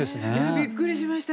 びっくりしました。